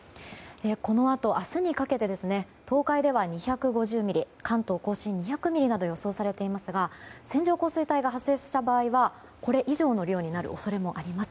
このあと、明日にかけて東海では２５０ミリ関東・甲信、２００ミリなど予想されていますが線状降水帯が発生した場合はこれ以上の量になる恐れもあります。